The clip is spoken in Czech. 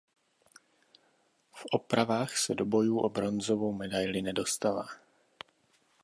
V opravách se do bojů o bronzovou medaili nedostala.